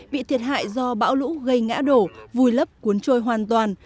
bị thiệt hại do bão lũ gây ngã đổ vùi lấp cuốn trôi hoàn toàn